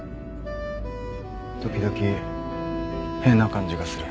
時々変な感じがする。